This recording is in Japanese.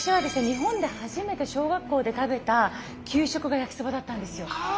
日本で初めて小学校で食べた給食が焼きそばだったんですよ。